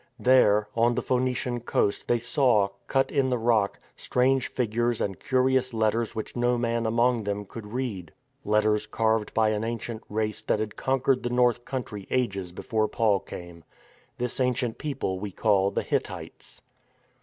There, on the Phoenician coast they saw, cut in the rock, strange figures and curious letters which no man among them could read; letters carved by an ancient race that had conquered the north THE DECISIVE BATTLE 169 country ages before Paul came. This ancient people we call the Hittites.